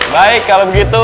baik kalau begitu